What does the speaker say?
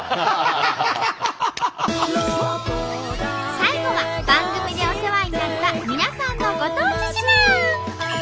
最後は番組でお世話になった皆さんのご当地自慢！